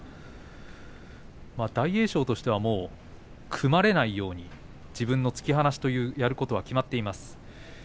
大栄翔としては組まれないように自分の突き放しというやることは決まっています。